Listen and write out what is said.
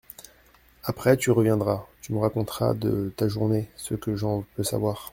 Après, tu reviendras … Tu me raconteras de ta journée ce que j'en peux savoir.